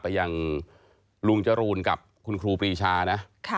ไปยังลุงจรูนกับคุณครูปรีชานะ